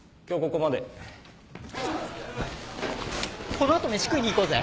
この後飯食いに行こうぜ。